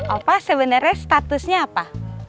opa sebenarnya statusnya apa